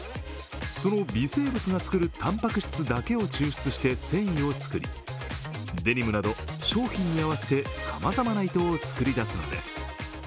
その微生物が作るたんぱく質だけを抽出して繊維を作り、デニムなど商品に合わせてさまざまな糸を作り出すのです。